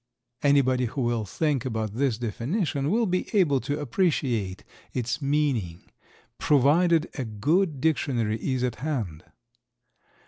Anybody who will think about this definition will be able to appreciate its meaning, provided a good dictionary is at hand.